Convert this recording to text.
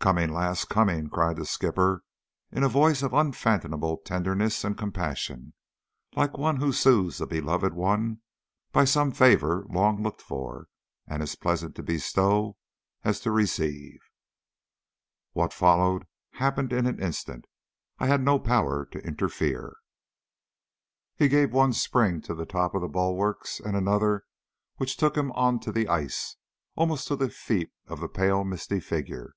"Coming, lass, coming," cried the skipper, in a voice of unfathomable tenderness and compassion, like one who soothes a beloved one by some favour long looked for, and as pleasant to bestow as to receive. What followed happened in an instant. I had no power to interfere. He gave one spring to the top of the bulwarks, and another which took him on to the ice, almost to the feet of the pale misty figure.